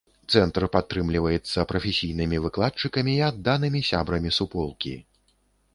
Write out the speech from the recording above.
Цэнтр падтрымліваецца прафесійнымі выкладчыкамі і адданымі сябрамі суполкі.